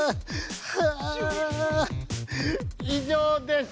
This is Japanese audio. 以上です。